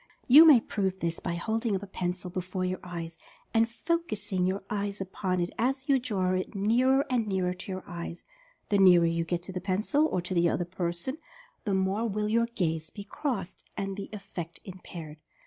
You may prove this by holding up a pencil before your eyes, and focusing your eyes upon it as you draw it nearer and nearer to your eyes. The nearer you get to the pencil, or to the other person, the more will your 226 Mental Fascination gaze be "crossed" and the effect impaired.